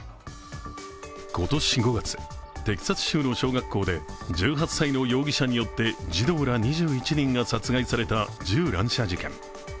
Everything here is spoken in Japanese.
今年５月、テキサス州の小学校で１８歳の容疑者によって児童ら２１人が殺害された銃乱射事件。